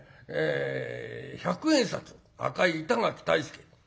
百円札赤い板垣退助